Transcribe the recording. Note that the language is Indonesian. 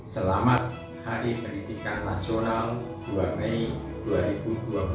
selamat hari pendidikan nasional